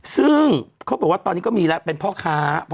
ซึ่งเขาบอกว่าตอนนี้ก็มีแล้วเป็นพ่อค้า